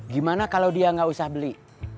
gimana kalau dia nggak usah beli